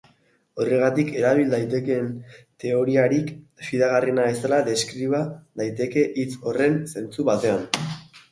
Horregatik erabil daitekeen teoriarik fidagarriena bezala deskriba daiteke, hitz horren zentzu batean.